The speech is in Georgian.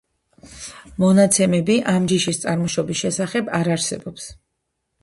მონაცემები ამ ჯიშის წარმოშობის შესახებ არ არსებობს.